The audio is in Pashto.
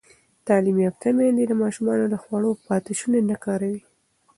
تعلیم یافته میندې د ماشومانو د خوړو پاتې شوني نه کاروي.